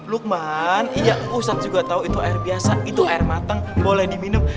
lukman iya ustadz juga tahu itu air biasa itu air matang boleh diminum